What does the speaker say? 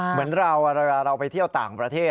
เหมือนเราเวลาเราไปเที่ยวต่างประเทศ